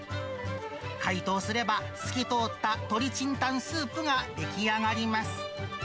解凍すれば、透き通った鶏清湯スープが出来上がります。